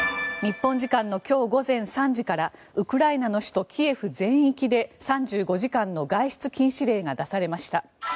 日本時間の今日午前３時からウクライナの首都キエフ全域で３５時間の外出禁止令が出されました。